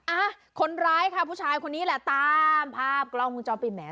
อ่ะคนร้ายค่ะผู้ชายคนนี้แหละตามภาพกล้องมุมจอปิดแหม